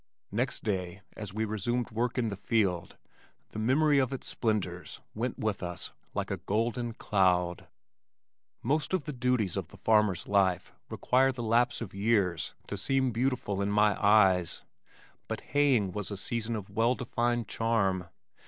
Next day as we resumed work in the field the memory of its splendors went with us like a golden cloud. Most of the duties of the farmer's life require the lapse of years to seem beautiful in my eyes, but haying was a season of well defined charm.